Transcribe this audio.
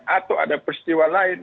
atau ada peristiwa lain